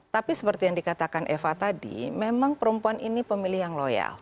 tapi seperti yang dikatakan eva tadi memang perempuan ini pemilih yang loyal